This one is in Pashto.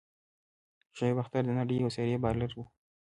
شعیب اختر د نړۍ یو سريع بالر وو.